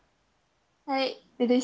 はい。